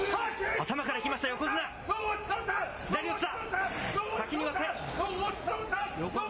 頭からいきました、横綱。